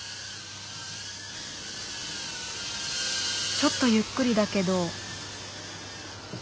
ちょっとゆっくりだけど。